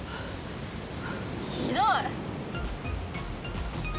ひどい！